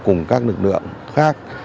cùng các lực lượng khác